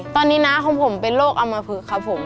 ตอนนี้น้าของผมเป็นโรคอมพลึกครับผม